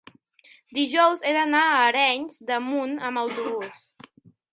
dijous he d'anar a Arenys de Munt amb autobús.